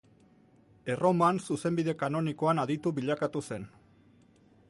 Erroman, zuzenbide kanonikoan aditu bilakatu zen.